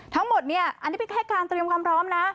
ทั้งหมดเนี่ยอันนี้เป็นแค่การเตรียมความพร้อมนะ